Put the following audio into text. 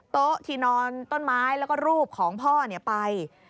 โต๊ะที่นอนต้นไม้แล้วก็รูปของพ่อไป